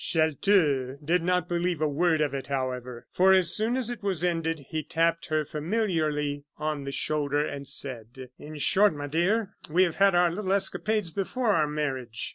Chelteux did not believe a word of it, however; for, as soon as it was ended, he tapped her familiarly on the shoulder, and said: "In short, my dear, we have had our little escapades before our marriage."